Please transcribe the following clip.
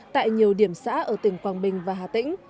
tại nhiều điểm xã ở tỉnh quảng bình và hà tĩnh